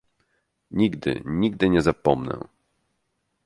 "Nigdy, nigdy nie zapomnę."